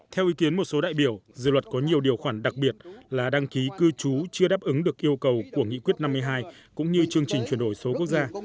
theo ý kiến một số đại biểu dự luật có nhiều điều khoản đặc biệt là đăng ký cư trú chưa đáp ứng được yêu cầu của nghị quyết năm mươi hai cũng như chương trình chuyển đổi số quốc gia